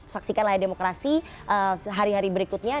saksikan layar demokrasi hari hari berikutnya